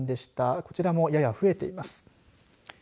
こちらも、やや増えています。